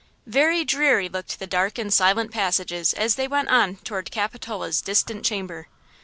Very dreary looked the dark and silent passages as they went on toward Capitola's distant chamber.